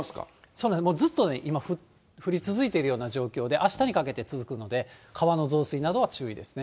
もうずっとね、今、降り続いているような状況で、あしたにかけて続くので、川の増水などは注意ですね。